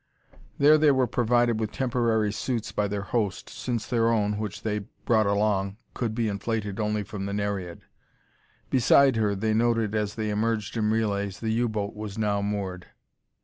There they were provided with temporary suits by their host, since their own which they brought along could be inflated only from the Nereid. Beside her, they noted as they emerged in relays, the U boat was now moored.